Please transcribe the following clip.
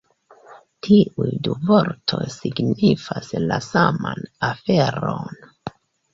Tiuj du vortoj signifas la saman aferon!